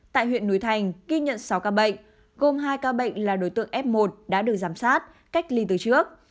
tại huyện núi thành ghi nhận sáu ca bệnh gồm hai ca bệnh là đối tượng f một đã được giám sát cách ly từ trước